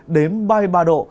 đến ba mươi ba độ